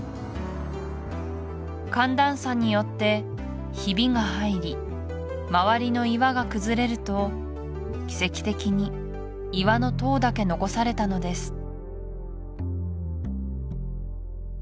寒暖差によってヒビが入り周りの岩が崩れると奇跡的に岩の塔だけ残されたのです